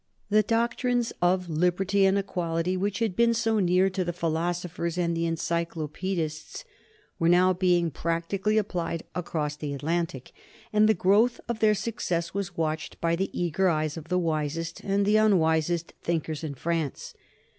The doctrines of liberty and equality, which had been so dear to the Philosophers and the Encyclopaedists, were now being practically applied across the Atlantic, and the growth of their success was watched by the eager eyes of the wisest and the unwisest thinkers in France.